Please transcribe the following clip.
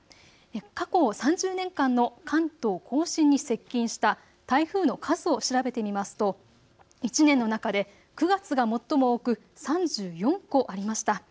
過去３０年間の関東甲信に接近した台風の数を調べてみますと１年の中で９月が最も多く３４個ありました。